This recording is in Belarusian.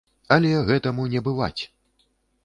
Але гэтаму не бываць!